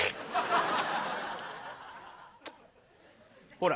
「ほら」